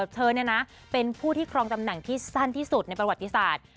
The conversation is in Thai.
เธอเป็นผู้ที่ครองตำแหน่งที่สั้นที่สุดในประวัติศาสตร์